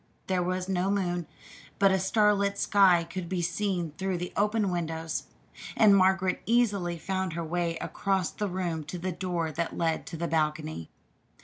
There was no moon, but a starlit sky could be seen through the open windows, and Margaret easily found her way across the room to the door that led to the balcony.